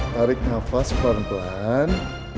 tarik nafas pelan pelan